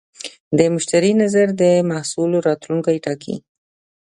د مشتری نظر د محصول راتلونکی ټاکي.